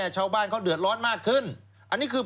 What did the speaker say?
ชาวบ้านเค้าเดือดร้อนมากขึ้น